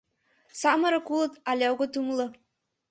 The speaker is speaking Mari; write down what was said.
Самырык улыт але огыт умыло.